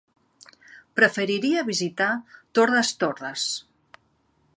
Preferiria visitar Torres Torres.